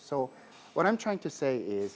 jadi apa yang saya ingin katakan adalah